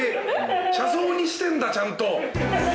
車窓にしてんだちゃんと。